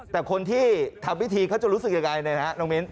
แต่คนที่ทำพิธีเขาจะรู้สึกยังไงน้องมิ้น